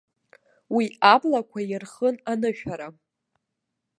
Уи аблақәа ирхын анышәара.